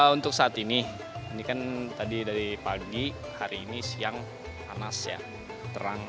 untuk saat ini ini kan tadi dari pagi hari ini siang panas ya terang